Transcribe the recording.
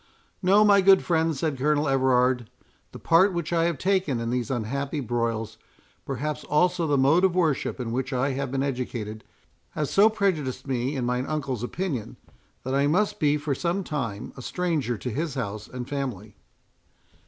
"No, my good friend," said Colonel Everard; "the part which I have taken in these unhappy broils, perhaps also the mode of worship in which I have been educated, have so prejudiced me in mine uncle's opinion, that I must be for some time a stranger to his house and family."